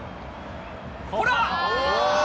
ほら。